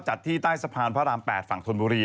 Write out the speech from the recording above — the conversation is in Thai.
จากกระแสของละครกรุเปสันนิวาสนะฮะ